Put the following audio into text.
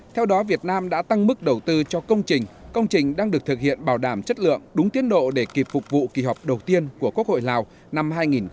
theo đó việt nam đã tăng mức đầu tư cho công trình công trình đang được thực hiện bảo đảm chất lượng đúng tiến độ để kịp phục vụ kỳ họp đầu tiên của quốc hội lào năm hai nghìn hai mươi